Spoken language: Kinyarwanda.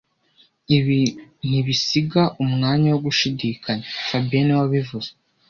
Ibi ntibisiga umwanya wo gushidikanya fabien niwe wabivuze